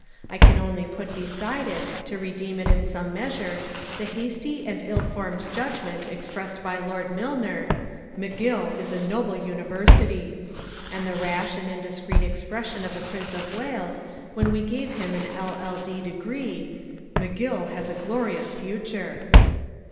I can only put beside it, to redeem it in some measure, the hasty and ill formed judgment expressed by Lord Milner, "McGill is a noble university": and the rash and indiscreet expression of the Prince of Wales, when we gave him an LL.D. degree, "McGill has a glorious future."